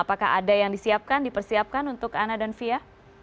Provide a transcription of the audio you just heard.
apakah ada yang disiapkan dipersiapkan untuk ana dan fia